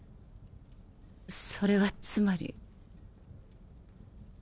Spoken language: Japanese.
それはつまり。